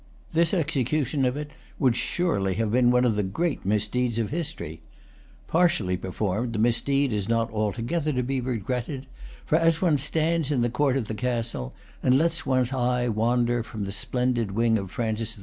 This execution of it would surely have been one of the great misdeeds of history. Partially performed, the misdeed is not altogether to be regretted; for as one stands in the court of the castle, and lets one's eye wander from the splendid wing of Francis I.